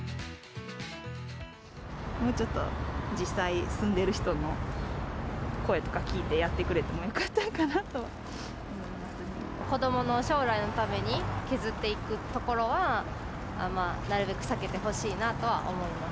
もうちょっと、実際、住んでいる人の声とか聞いてやってくれてもよかったのかなと思い子どもの将来のために、削っていくところは、なるべく避けてほしいなとは思います。